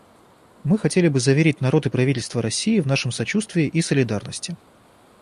Мы хотели бы заверить народ и правительство России в нашем сочувствии и солидарности.